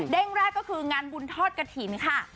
แรกก็คืองานบุญทอดกระถิ่นค่ะ